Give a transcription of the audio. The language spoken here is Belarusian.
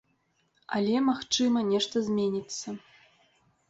Але, магчыма, нешта зменіцца.